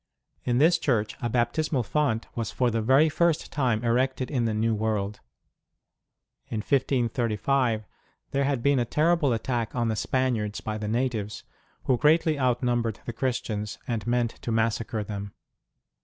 In this church a baptismal font was for the very first time erected in the New World. In 1535 there had been a terrible attack on the Spaniards by the natives, who greatly outnumbered the Christians and meant to massacre them.